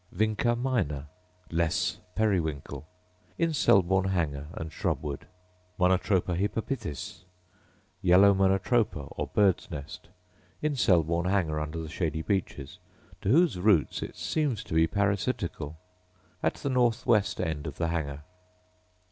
Vinca minor, less periwinkle, — in Selborne Hanger and Shrubwood. Monotropa hypopithys, yellow monotropa, or bird's nest, — in Selborne Hanger under the shady beeches, to whose roots it seems to be parasitical — at the north west end of the Hanger.